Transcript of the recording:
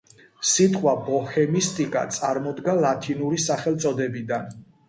სიტყვა ბოჰემისტიკა წარმოდგა ლათინური სახელწოდებიდან.